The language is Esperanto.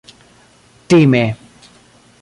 time